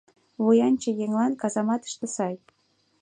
Вуянче еҥлан казаматыште сай...